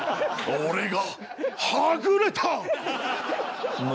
俺がはぐれた。